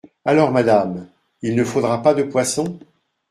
Alors, madame, il ne faudra pas de poisson ?